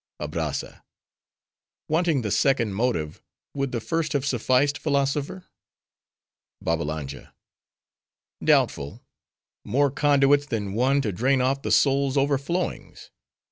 ABRAZZA—Wanting the second motive, would the first have sufficed, philosopher? BABBALANJA—Doubtful. More conduits than one to drain off the soul's overflowings.